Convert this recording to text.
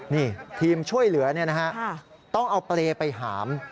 นี่ทีมช่วยเหลือต้องเอาเปรย์ไปหาม